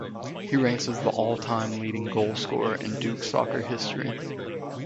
He ranks as the all-time leading goal-scorer in Duke soccer history.